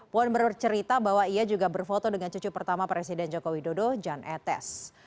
puan bercerita bahwa ia juga berfoto dengan cucu pertama presiden joko widodo jan etes